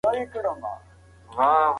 ښار سته.